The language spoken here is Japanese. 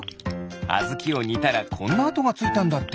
あずきをにたらこんなあとがついたんだって。